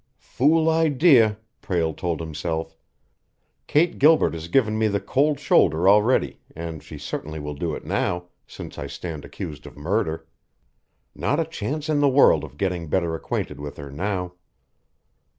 "Fool idea!" Prale told himself. "Kate Gilbert has given me the cold shoulder already, and she certainly will do it now, since I stand accused of murder. Not a chance in the world of getting better acquainted with her now."